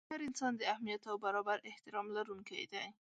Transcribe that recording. هر انسان د اهمیت او برابر احترام لرونکی دی.